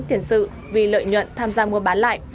tiền sự vì lợi nhuận tham gia mua bán lại